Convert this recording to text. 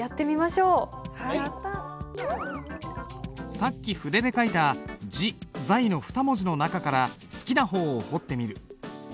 さっき筆で書いた「自在」の２文字の中から好きな方を彫ってみる。